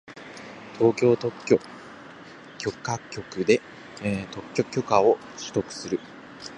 東京特許許可局で特許許可を取得する